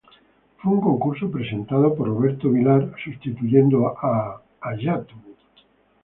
Fue un concurso presentado por Roberto Vilar sustituyendo a "¡Allá tú!